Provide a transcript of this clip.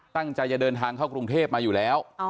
ตั้งใจจะเดินทางเข้ากรุงเทพมาอยู่แล้ว